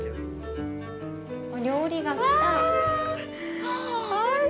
◆お料理が来た。